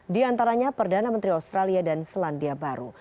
di antaranya perdana menteri australia dan selandia baru